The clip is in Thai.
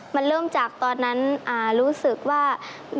มันเริ่มจากตอนนั้นรู้สึกว่า